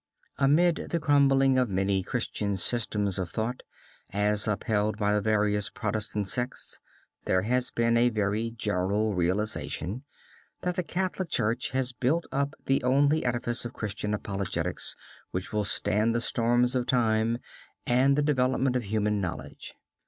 Amid the crumbling of many Christian systems of thought, as upheld by the various protestant sects, there has been a very general realization that the Catholic Church has built up the only edifice of Christian apologetics, which will stand the storms of time and the development of human knowledge.